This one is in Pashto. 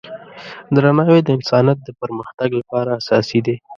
درناوی د انسانیت د پرمختګ لپاره اساسي دی.